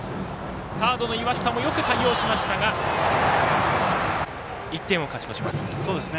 サードの岩下もよく対応しましたが１点を勝ち越します。